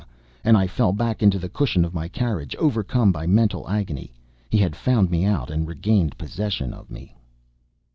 and I fell back onto the cushion of my carriage, overcome by mental agony. He had found me out and regained possession of me.